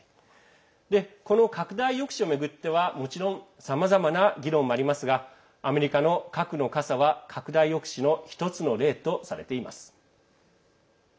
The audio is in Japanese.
この拡大抑止を巡ってはもちろんさまざまな議論もありますがアメリカの核の傘は拡大抑止の１つの例とされています。